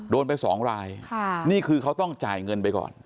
โดนไปสองรายนี่คือเขาต้องจ่ายเงินไปก่อน